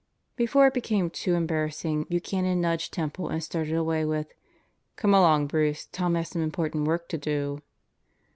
Before it became too embarrassing, Buchanan nudged Temple and started away with: "Come along, Bruce, Tom has some important work to do."